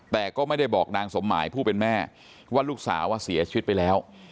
แต่ก็ไม่ได้บอกนางสมหมายผู้เป็นแม่ว่าลูกสาวเสียชีวิตไปแล้ว